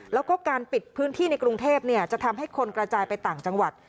แล้วก็การปิดพื้นที่ในกรุงเทพจะทำให้คนกระจายไปต่างจังหวัด